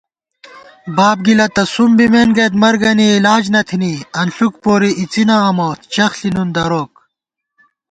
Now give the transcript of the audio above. باب گِلہ تہ سُم بِمېن گئیت مَرگَنی علاج نہ تھنی * انݪُک پوری اِڅِنہ امہ چَخݪی نُن دروک